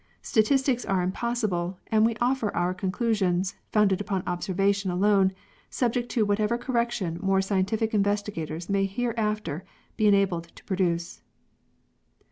'^ Statistics are impossible, and we offer our conclusions, founded upon observation alone, subject to whatever correction more scientific investigators may hereafter be enabled to produce.